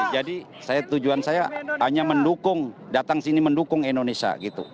jadi tujuan saya hanya mendukung datang sini mendukung indonesia gitu